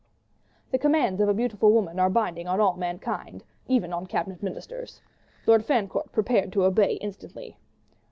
The commands of a beautiful woman are binding on all mankind, even on Cabinet Ministers. Lord Fancourt prepared to obey instantly.